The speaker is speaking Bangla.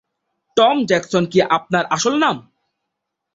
টম জ্যাকসন কি আপনার আসল নাম?